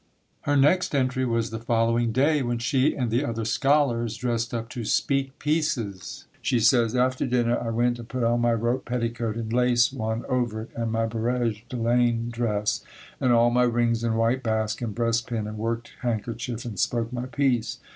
Her next entry was the following day when she and the other scholars dressed up to "speak pieces." She says, "After dinner I went and put on my rope petticoat and lace one over it and my barège de laine dress and all my rings and white bask and breastpin and worked handkerchief and spoke my piece.